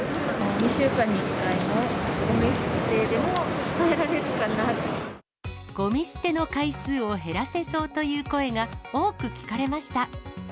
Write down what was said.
２週間に１回のごみ捨てでも、ごみ捨ての回数を減らせそうという声が多く聞かれました。